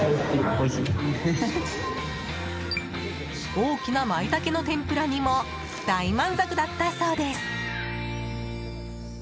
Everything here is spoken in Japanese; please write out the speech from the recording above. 大きなマイタケの天ぷらにも大満足だったそうです。